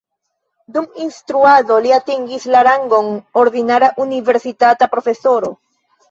Dum instruado li atingis la rangon ordinara universitata profesoro.